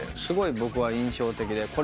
すごい僕は印象的で。